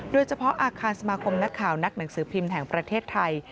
โดยเฉพาะอาคารสมาคมนักข่าวนักหนังสือพิมพ์แห่งประเทศไทย